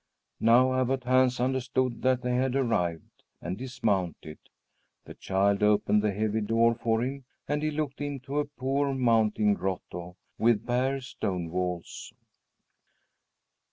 Now Abbot Hans understood that they had arrived, and dismounted. The child opened the heavy door for him, and he looked into a poor mountain grotto, with bare stone walls.